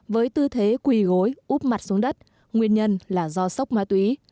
với tư thế quỳ gối úp mặt xuống đất nguyên nhân là do sốc ma túy